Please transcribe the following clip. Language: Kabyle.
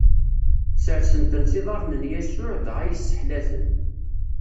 Sersen-ten s iḍarren n Yasuɛ, dɣa yesseḥla-ten.